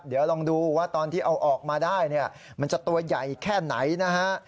เดี๋ยวลองดูว่าตอนที่เอาออกมาได้เนี่ยมันจะตัวใหญ่แค่ไหนนะฮะ